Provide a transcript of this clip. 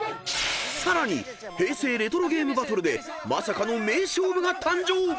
［さらに平成レトロゲームバトルでまさかの名勝負が誕生！］